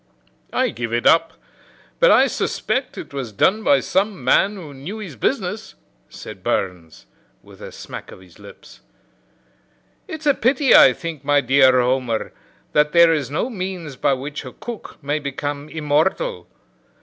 "I give it up; but I suspect it was done by some man who knew his business," said Burns, with a smack of his lips. "It's a pity, I think, my dear Homer, that there is no means by which a cook may become immortal.